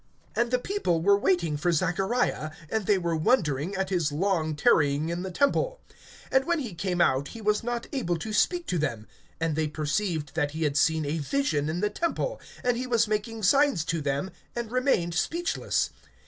(21)And the people were waiting for Zachariah; and they were wondering at his long tarrying in the temple. (22)And when he came out he was not able to speak to them, and they perceived that he had seen a vision in the temple; and he was making signs to them, and remained speechless.